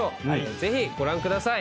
ぜひご覧ください。